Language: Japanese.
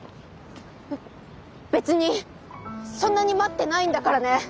べ別にそんなに待ってないんだからね。